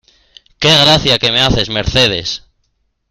¡Qué gracia que me haces Mercedes!